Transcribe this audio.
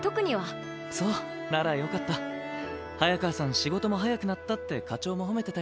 仕事も早くなったって課長も褒めてたよ。